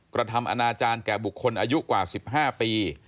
กระทำอนาจารย์แก่บุคคลอายุกว่า๑๕ปี